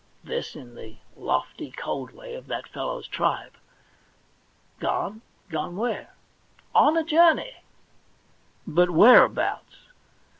This in the lofty, cold way of that fellow's tribe. * Gone ? Gone where ?On a journey.' * But whereabouts